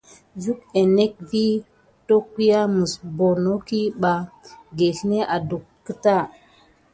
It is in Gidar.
Suk énetke vi tokuga mis bonoki ɓa gelné adùck keta.